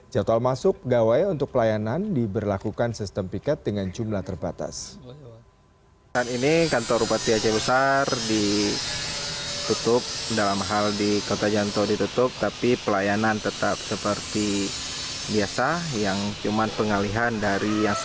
jatuh almasuk gawai untuk pelayanan diberlakukan sistem piket dengan jumlah terbatas